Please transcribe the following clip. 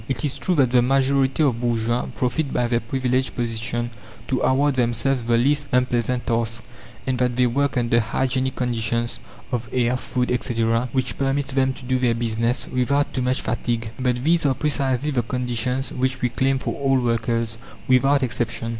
It is true that the majority of bourgeois profit by their privileged position to award themselves the least unpleasant tasks, and that they work under hygienic conditions of air, food, etc., which permits them to do their business without too much fatigue. But these are precisely the conditions which we claim for all workers, without exception.